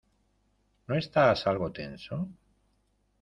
¿ No estás algo tenso?